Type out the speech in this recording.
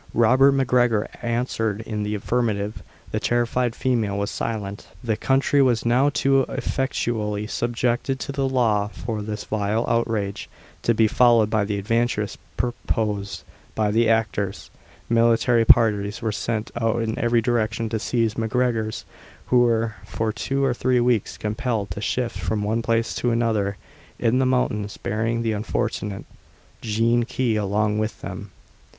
Robert MacGregor answered in the affirmative; the terrified female was silent. The country was now too effectually subjected to the law for this vile outrage to be followed by the advantages proposed by the actors, Military parties were sent out in every direction to seize the MacGregors, who were for two or three weeks compelled to shift from one place to another in the mountains, bearing the unfortunate Jean Key along with them.